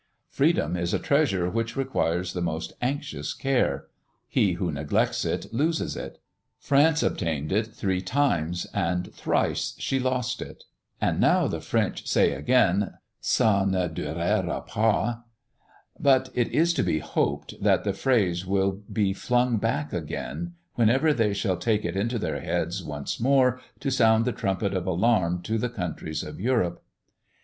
Freedom is a treasure which requires the most anxious care; he who neglects it, loses it. France obtained it three times, and thrice she lost it; and now the French say again "Ça ne durera pas." But, it is to be hoped, that the phrase will be flung back again, whenever they shall take it into their heads once more to sound the trumpet of alarm to the countries of Europe.